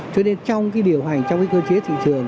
cho nên trong cái điều hành trong cái cơ chế thị trường